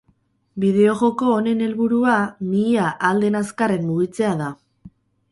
Bideo-joko honen helburua mihia ahal den azkarren mugitzea da.